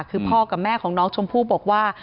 คือพ่อกับแม่ของน้องชมพู่บอกว่า